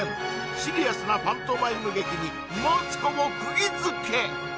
シリアスなパントマイム劇にマツコもくぎ付け！